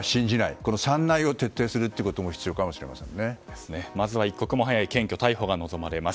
この３ないを徹底することもまずは一刻も早い検挙、逮捕が望まれます。